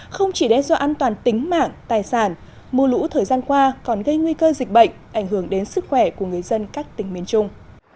không chỉ đe dọa an toàn tính mạng tài sản mùa lũ thời gian qua còn gây nguy cơ dịch bệnh ảnh hưởng đến sức khỏe của người dân các tỉnh miền trung